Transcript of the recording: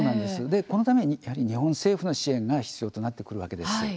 このためにやはり日本政府の支援が必要となってくるわけです。